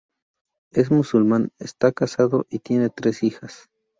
Es musulmán, está casado y tiene tres hijas.